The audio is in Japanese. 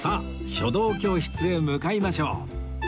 書道教室へ向かいましょう